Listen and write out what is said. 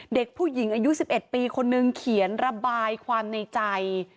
เด็กผู้หญิงอายุ๑๑ปีคนนึงเขียนระบายความในใจ